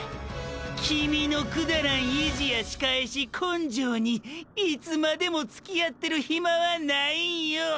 キミィのくだらん意地や仕返し根性にいつまでもつきあってるヒマはないんよ？